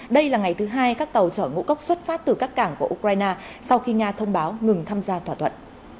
đây là ngày thứ hai các tàu chở ngũ cốc xuất phát từ các cảng của ukraine sau khi nga thông báo ngừng tham gia thỏa thuận